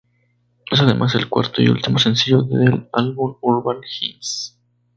Es además el cuarto y último sencillo del álbum "Urban hymns".